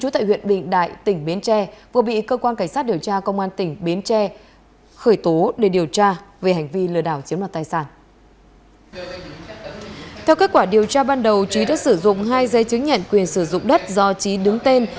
theo kết quả điều tra ban đầu trí đã sử dụng hai giấy chứng nhận quyền sử dụng đất do trí đứng tên